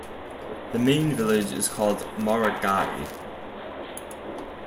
The main village is called Maragai.